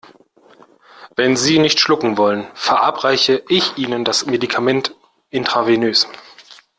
Wenn Sie nicht schlucken wollen, verabreiche ich Ihnen das Medikament intravenös.